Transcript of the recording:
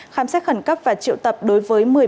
khám xét khẩn cấp và triệu tập đối với một mươi tỷ đồng